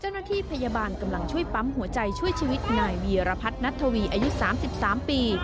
เจ้าหน้าที่พยาบาลกำลังช่วยปั๊มหัวใจช่วยชีวิตนายวีรพัฒนัททวีอายุ๓๓ปี